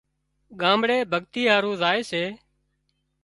ڳامڙي ڀڳتي هارو زائي سي